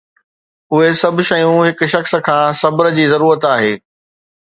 اهي سڀ شيون هڪ شخص کان صبر جي ضرورت آهي